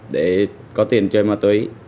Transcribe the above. để có tiền chơi ma túy